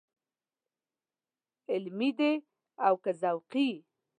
علمي دی او که ذوقي.